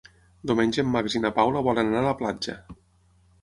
Diumenge en Max i na Paula volen anar a la platja.